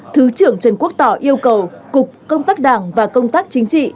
thứ trưởng trần quốc tỏ yêu cầu cục công tác đảng và công tác chính trị